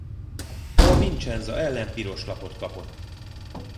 A Vicenza ellen pirost lapot kapott.